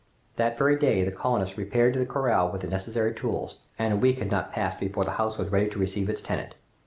That very day the colonists repaired to the corral with the necessary tools, and a week had not passed before the house was ready to receive its tenant.